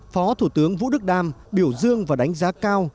phó thủ tướng vũ đức đam biểu dương và đánh giá cao